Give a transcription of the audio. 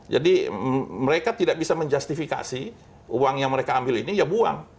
jadi mereka tidak bisa menjustifikasi uang yang mereka ambil ini ya buang